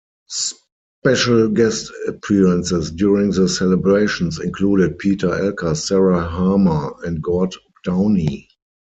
Special guest appearances during the celebrations included: Peter Elkas, Sarah Harmer and Gord Downie.